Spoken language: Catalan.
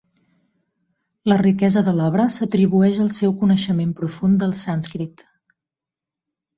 La riquesa de l'obra s'atribueix al seu coneixement profund del sànscrit.